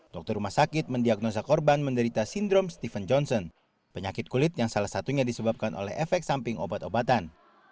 dokter rumah sakit mendiagnosa korban menderita sindrom stephen johnson penyakit kulit yang salah satunya disebabkan oleh efek samping obat obatan